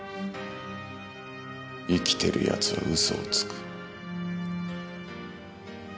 生きてる奴は嘘をつく。